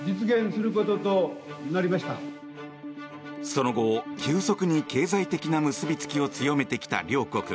その後、急速に経済的な結びつきを強めてきた両国。